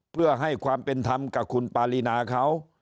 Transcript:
เพื่อให้ความเป็นธรรมกับคุณปารีนาเขา